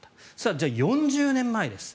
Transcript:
じゃあ、４０年前です。